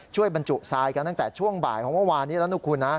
ช่วยบรรจุทรายกันตั้งแต่ช่วงบ่ายของวันวานนี้แล้ว